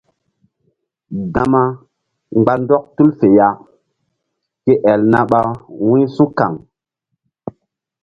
Gama mgba ndɔk tul fe ya ke el na ɓa wu̧y su̧kaŋ.